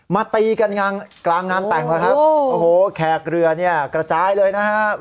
ตีกันกลางงานแต่งแล้วครับโอ้โหแขกเรือเนี่ยกระจายเลยนะครับ